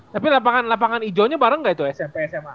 tapi lapangan ijonya bareng gak itu smp sma